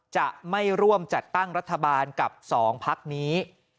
จะไม่ร่วมจัดตั้งรัฐบาลกับ๒พักนี้